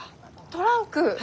トランク？